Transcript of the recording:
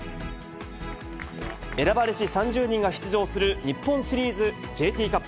選ばれし３０人が出場する日本シリーズＪＴカップ。